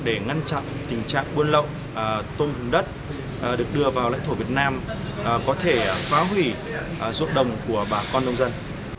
để ngăn chặn tình trạng buôn lậu tôm hùm đất được đưa vào lãnh thổ việt nam có thể phá hủy ruộng đồng của bà con nông dân